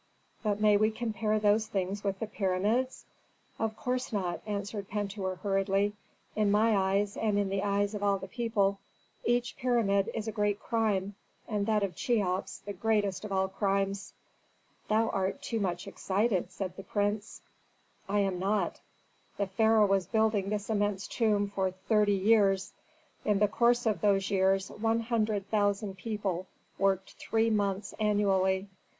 "But may we compare those things with the pyramids?" "Of course not," answered Pentuer, hurriedly. "In my eyes and in the eyes of all the people, each pyramid is a great crime, and that of Cheops, the greatest of all crimes." "Thou art too much excited," said the prince. [Illustration: Pyramid of Cheops] "I am not. The pharaoh was building his immense tomb for thirty years; in the course of those years one hundred thousand people worked three months annually.